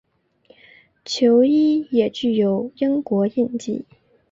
球衣也具有英国印记。